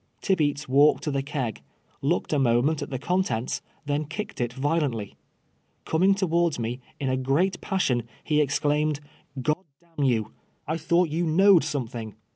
Tibeats walked to the keg, looked a moment at the contents, then kicked it violently. Coming towards me in a great passion, he exclaimed, " G — d d — n you ! I thought you linoioed some thing."